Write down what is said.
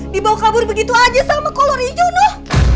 dibawa kabur begitu aja sama kolor ijo noh